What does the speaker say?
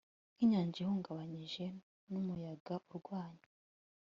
Nkinyanja ihungabanijwe numuyaga urwanya